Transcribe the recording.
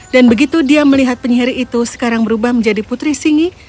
dan begitu dia melihat penyihir itu sekarang berubah menjadi putri singi